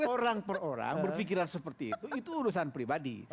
orang per orang berpikiran seperti itu itu urusan pribadi